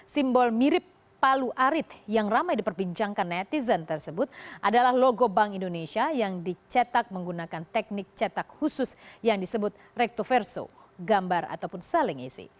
simbol mirip palu arit yang ramai diperbincangkan netizen tersebut adalah logo bank indonesia yang dicetak menggunakan teknik cetak khusus yang disebut rectoverso gambar ataupun saling isi